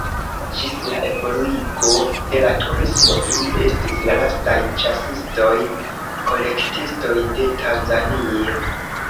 Ĝis la evoluigo de la turismo ili estis la lastaj ĉasistoj-kolektistoj de Tanzanio.